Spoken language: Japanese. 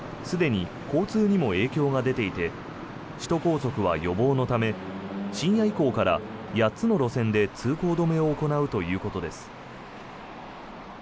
すでに交通にも影響が出ていて首都高速は予防のため深夜以降から８つの路線で通行止めを行うということです。